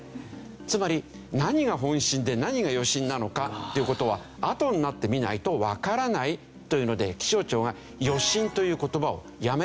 つまり何が本震で何が余震なのかっていう事はあとになってみないとわからないというので気象庁が「余震」という言葉をやめたんですよ。